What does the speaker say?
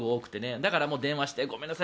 だから、電話してごめんなさい